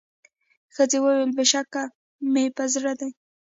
ښځي وویل بېشکه مي په زړه دي